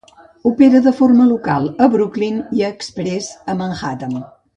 Opera de forma local a Brooklyn i exprés a Manhattan.